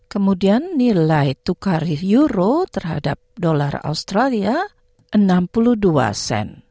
kemudian nilai tukar euro terhadap dolar australia enam puluh dua sen